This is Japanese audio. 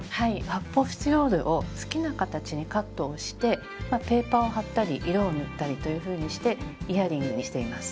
発泡スチロールを好きな形にカットをしてペーパーを貼ったり色を塗ったりというふうにしてイヤリングにしています。